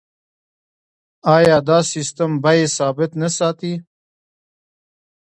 آیا دا سیستم بیې ثابت نه ساتي؟